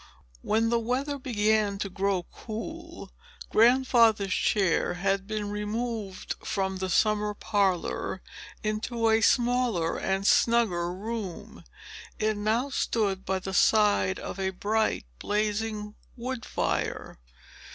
When the weather began to grow cool, Grandfather's chair had been removed from the summer parlor into a smaller and snugger room. It now stood by the side of a bright blazing wood fire.